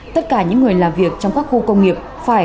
tất cả những người làm việc trong các khu công nghiệp phải